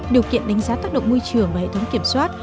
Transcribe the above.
điều kiện đánh giá tác động môi trường và hệ thống kiểm soát